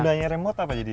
gunanya remote apa jadi